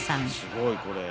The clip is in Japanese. すごいこれ。